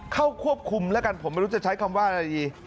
เข้าควบคุมแล้วกันผมไม่รู้จะใช้คำว่าอะไรดี